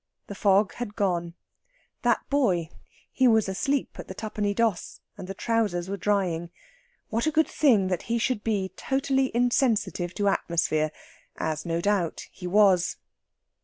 The fog had gone. That boy he was asleep at the twopenny doss, and the trousers were drying. What a good thing that he should be totally insensitive to atmosphere, as no doubt he was.